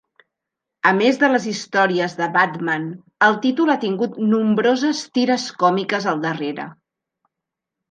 A més de les històries de Batman, el títol ha tingut nombroses tires còmiques al darrere.